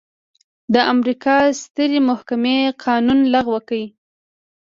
د امریکا سترې محکمې قانون لغوه کړ.